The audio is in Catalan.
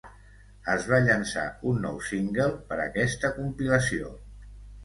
Es va llançar un nou single per aquesta compilació.